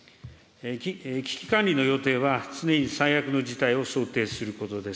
危機管理の要諦は常に最悪の事態を想定することです。